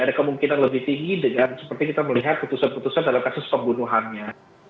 ada kemungkinan lebih tinggi dengan seperti kita melihat putusan putusan dalam kasus pembunuhannya